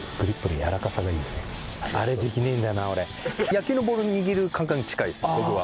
野球のボールを握る感覚に近いです僕は。